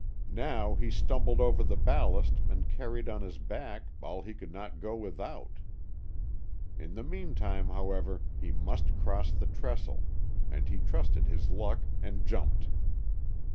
Now he stumbled over the ballast and carried on his back all he could not go without. In the meantime, however, he must cross the trestle, and he trusted his luck and jumped.